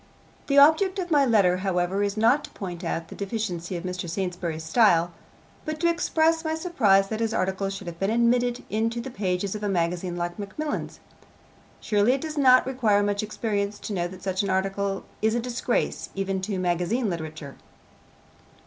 The object of my letter, however, is not to point out the deficiencies of Mr. Saintsbury's style, but to express my surprise that his article should have been admitted into the pages of a magazine like Macmillan's. Surely it does not require much experience to know that such an article is a disgrace even to magazine literature.